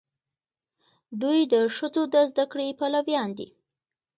دوی د ښځو د زده کړې پلویان دي.